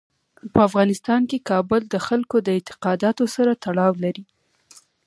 په افغانستان کې کابل د خلکو د اعتقاداتو سره تړاو لري.